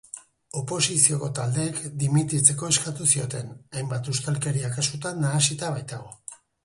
Oposizioko taldeek dimititzeko eskatu zioten, hainbat ustelkeria kasutan nahasita baitago.